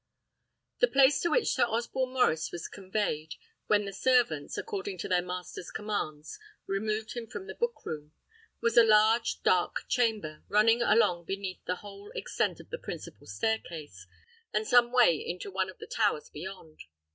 The place to which Sir Osborne Maurice was conveyed, when the servants, according to their master's commands, removed him from the book room, was a large dark chamber, running along beneath the whole extent of the principal stair case, and some way into one of the towers beyond.